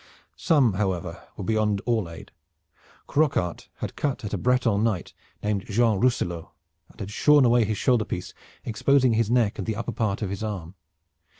Some, however, were beyond all aid. Croquart had cut at a Breton knight named Jean Rousselot and had shorn away his shoulder piece, exposing his neck and the upper part of his arm.